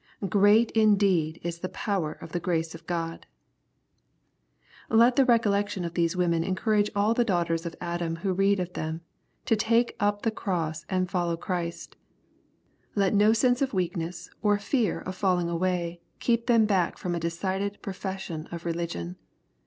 '' Great indeed is the power of the grace of God I Let the recollection of these women encourage all the daughters of Adam who read of them, to take up the cross and to follow Christ. Let no sense of weakness, or fear of falling away, keep them back from a decided profession of religion.